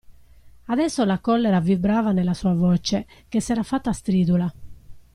Adesso la collera vibrava nella sua voce, che s'era fatta stridula.